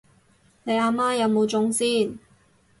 你阿媽有冇中先？